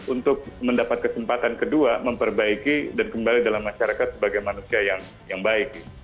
untuk mendapat kesempatan kedua memperbaiki dan kembali dalam masyarakat sebagai manusia yang baik